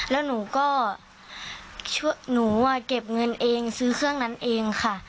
แล้วหนูก็หนูเก็บเงินเองซื้อเครื่องนั้นเองค่ะ